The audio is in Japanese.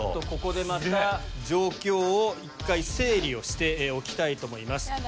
ここでまた状況を一回整理をしておきたいと思います。